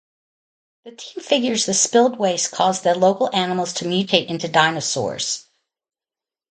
The team figures the spilled waste caused the local animals to mutate into dinosaurs.